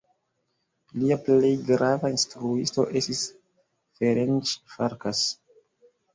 Lia plej grava instruisto estis Ferenc Farkas.